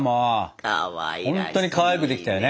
ほんとにかわいくできたよね！